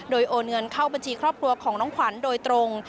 โดยโอนเงินเข้าบัญชีครอบครัวของน้องขวัญโดยตรง